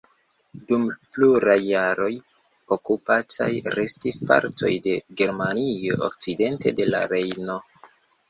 Dum pluraj jaroj okupataj restis partoj de Germanio okcidente de la Rejno.